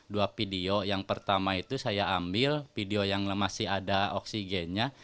dua video yang pertama itu saya ambil video yang masih ada oksigennya